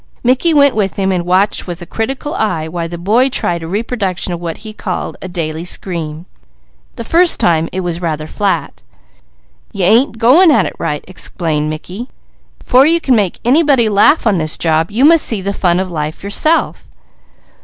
Mickey went with him and watched with critical eye while the boy tried a reproduction of what he called "a daily scream!" The first time it was rather flat. "You ain't going at it right!" explained Mickey. "'Fore you can make anybody laugh on this job, you must see the fun of life yourself.